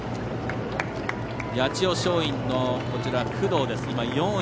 八千代松陰の工藤、４位。